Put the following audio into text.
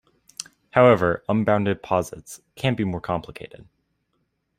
However, unbounded posets can be more complicated.